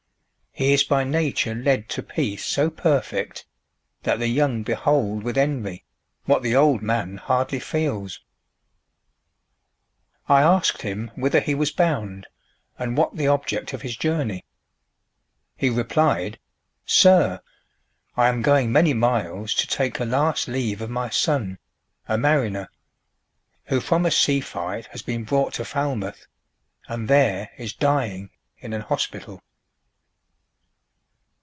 He is by nature led To peace so perfect, that the young behold With envy, what the old man hardly feels. —I asked him whither he was bound, and what The object of his journey; he replied "Sir! I am going many miles to take A last leave of my son, a mariner, Who from a sea fight has been brought to Falmouth, And there is dying in an hospital."